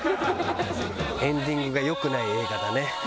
エンディングが良くない映画だね。